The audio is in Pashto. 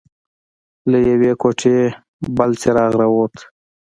له يوې کوټې بل څراغ راووت.